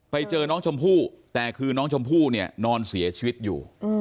ไปเจอน้องชมพู่แต่คือน้องชมพู่เนี่ยนอนเสียชีวิตอยู่